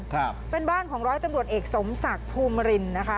ครับเป็นบ้านของร้อยตำรวจเอกสมศักดิ์ภูมิรินนะคะ